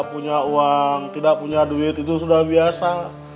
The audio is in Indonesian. punya uang tidak punya duit itu sudah biasa